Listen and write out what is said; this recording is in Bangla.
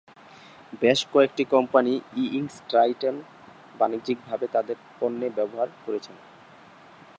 বেশ কয়েকটি কোম্পানি ই-ইঙ্ক ট্রাইটন বাণিজ্যিকভাবে তাদের পণ্যে ব্যবহার করেছেন।